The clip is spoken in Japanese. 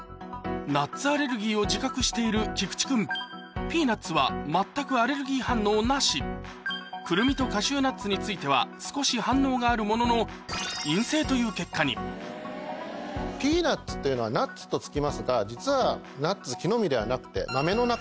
ナッツアレルギーを自覚している菊地君ピーナッツは全くアレルギー反応なしクルミとカシューナッツについては少し反応があるものの陰性という結果に「ナッツ」と付きますが実はナッツ木の実ではなくて。